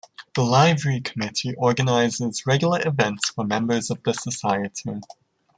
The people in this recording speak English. The Livery Committee organises regular events for members of the Society.